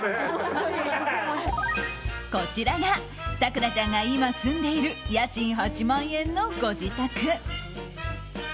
こちらが咲楽ちゃんが今、住んでいる家賃８万円のご自宅。